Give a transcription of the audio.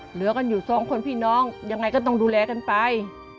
เหลือกันอยู่สองคนพี่น้องยังไงก็ต้องดูแลกันไป